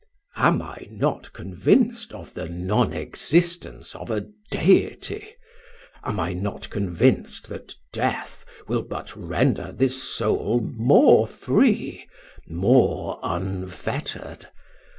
Am I not convinced of the non existence of a Deity? am I not convinced that death will but render this soul more free, more unfettered?